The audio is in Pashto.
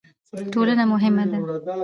ټولنه مهمه ده.